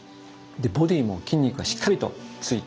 ボディーも筋肉がしっかりとついていますよね。